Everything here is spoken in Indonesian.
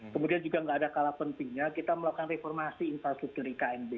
kemudian juga nggak ada kalah pentingnya kita melakukan reformasi infrastruktur iknb